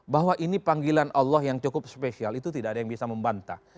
bahwa ini panggilan allah yang cukup spesial itu tidak ada yang bisa membantah